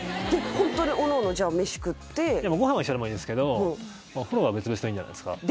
ホントにおのおのじゃあ飯食ってご飯は一緒でもいいんですけどお風呂は別々でいいんじゃないですか？